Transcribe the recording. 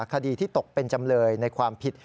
คดีที่ตกเป็นจำเลยในความผิด